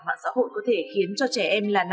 mạng xã hội có thể khiến cho trẻ em là nạn nhân